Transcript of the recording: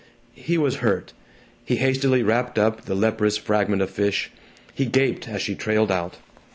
He was hurt. He hastily wrapped up the leprous fragment of fish; he gaped as she trailed out.